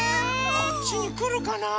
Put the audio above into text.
こっちにくるかなあ。